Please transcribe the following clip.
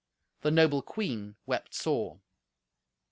The noble queen wept sore.